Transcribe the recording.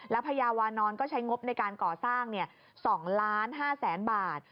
พญาวานอนก็ใช้งบในการก่อสร้าง๒๕๐๐๐๐บาท